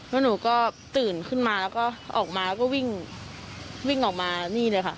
แล้วหนูก็ตื่นขึ้นมาแล้วก็ออกมาแล้วก็วิ่งวิ่งออกมานี่เลยค่ะ